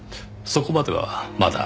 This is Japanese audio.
そこまではまだ。